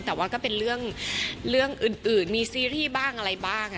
แต่ว่าก็เป็นเรื่องอื่นมีซีรีส์บ้างอะไรบ้าง